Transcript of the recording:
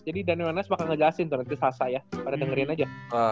jadi daniel wenas bakal ngejelasin tuh nanti selasa ya pada dengerin aja